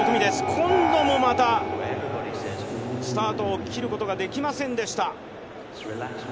今度もまたスタートを切ることができませんでした。